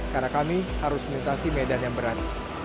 karena kami harus melintasi medan yang berat